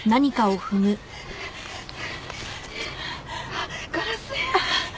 あっガラス片！